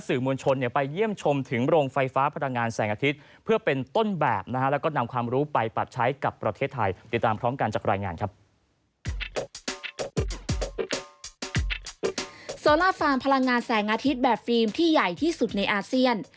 ลาฟาร์มพลังงานแสงอาทิตย์แบบฟิล์มที่ใหญ่ที่สุดในอาเซียน